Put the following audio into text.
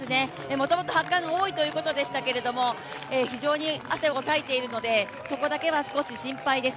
もともと発汗が多いということですが非常に汗をかいているので、そこだけはすごく心配です。